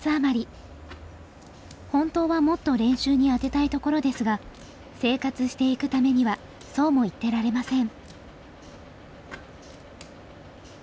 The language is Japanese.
本当はもっと練習に充てたいところですが生活していくためにはそうも言ってられません。